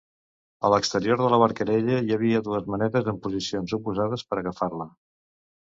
A l'exterior de la barcella hi havia dues manetes, en posicions oposades, per agafar-la.